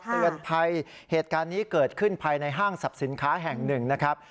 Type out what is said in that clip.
เตือนภัยเหตุการณ์นี้เกิดขึ้นภายในห้างสรรพสินค้าแห่งหนึ่งนะครับ